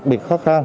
đặc biệt khó khăn